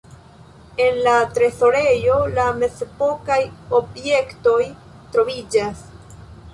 En la trezorejo mezepokaj objektoj troviĝas.